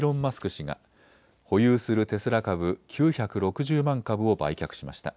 氏が保有するテスラ株９６０万株を売却しました。